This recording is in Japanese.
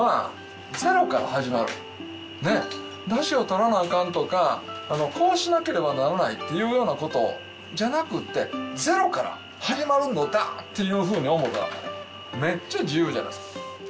だしをとらなあかんとかこうしなければならないっていうようなことじゃなくて「ゼロから始まるのだ！」っていうふうに思うたらめっちゃ自由じゃないですか